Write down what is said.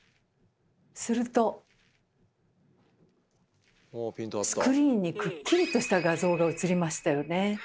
するとスクリーンにくっきりとした画像が映りましたよね。